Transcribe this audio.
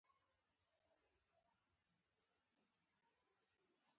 سړی خوشحاله و چې جومات ته نږدې دی.